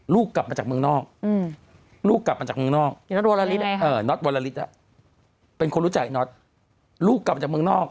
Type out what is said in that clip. ลูกกลับมาจากเมืองนอกลูกกลับมาจากเมืองนอกเป็นคนรู้ใจลูกกลับมาจากเมืองนอก